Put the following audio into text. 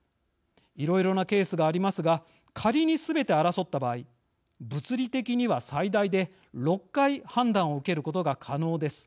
いろいろなケースがありますが仮にすべて争った場合物理的には最大で６回判断を受けることが可能です。